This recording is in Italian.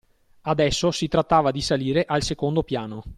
Adesso, si trattava di salire al secondo piano.